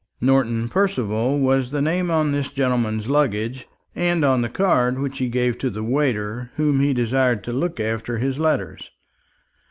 Norton Percival was the name on this gentleman's luggage, and on the card which he gave to the waiter whom he desired to look after his letters.